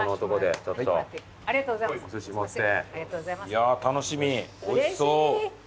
いやぁ楽しみおいしそう。